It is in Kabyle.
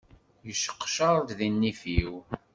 Yesseqecaṛ di nnif-iw.